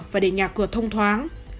và để nhà cửa thông thoáng